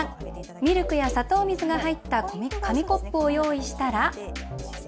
ミルクや砂糖水が入った紙コップを用意したら。